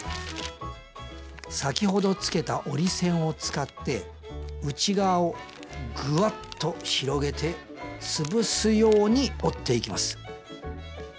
先ほどつけた折り線を使って内側をグワッと広げて潰すように折っていきます